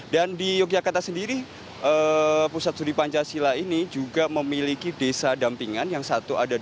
dan di yogyakarta sendiri pusat studi pancasila ini juga memiliki desa dampingan yang satu ada di kampus